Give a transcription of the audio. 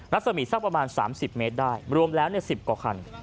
สมีสักประมาณ๓๐เมตรได้รวมแล้ว๑๐กว่าคัน